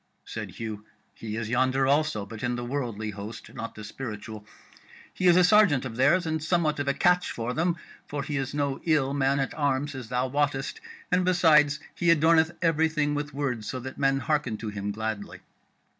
Said Hugh: "He is yonder also, but in the worldly host, not the spiritual: he is a sergeant of theirs, and somewhat of a catch for them, for he is no ill man at arms, as thou wottest, and besides he adorneth everything with words, so that men hearken to him gladly."